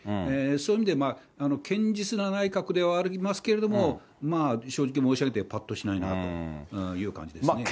そういう意味で堅実な内閣ではありますけれども、正直申し上げてぱっとしないなという感じですね。